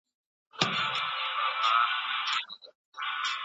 که ښوونکی منظم نه وي نو ټولګی بې نظمه کیږي.